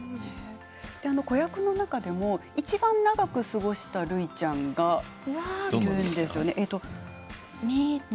子役の中でもいちばん長く過ごしたるいちゃんがいるんですよね